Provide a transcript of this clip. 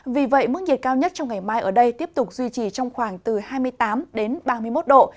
vì vậy mức nhiệt cao nhất trong ngày mai ở đây tiếp tục duy trì trong khoảng từ hai mươi tám đến ba mươi một độ